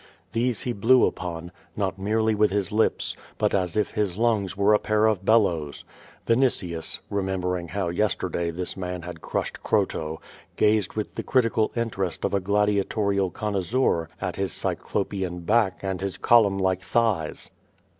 These he blew ui)on, not merely with his lips, but as if his lungs were a pair of bellows. Vini tius, remembering how yesterday this man had crushed Cro to, gazed with the critical interest of a gladiatorial connois seur at his Cyclopean back and his column like thighs.